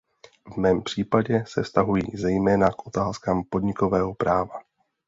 V mém případě se vztahují zejména k otázkám podnikového práva.